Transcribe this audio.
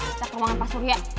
kita ke rumah sama suria